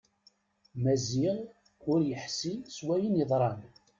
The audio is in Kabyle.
Maziɣ ur yeḥsi s wayen yeḍran.